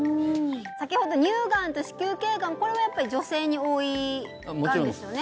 先ほど乳がんと子宮頸がんこれはやっぱり女性に多いがんですよね？